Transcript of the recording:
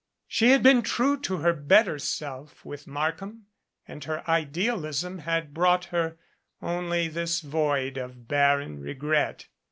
She had been true to her better self with Markham and her idealism had brought her only this void of barren regret.